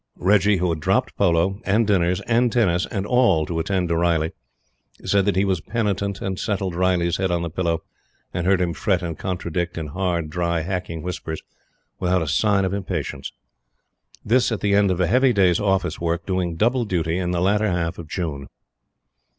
Reggie, who had dropped polo, and dinners, and tennis, and all to attend to Riley, said that he was penitent and settled Riley's head on the pillow and heard him fret and contradict in hard, dry, hacking whispers, without a sign of impatience. This at the end of a heavy day's office work, doing double duty, in the latter half of June.